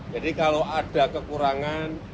jadi kalau ada kekurangan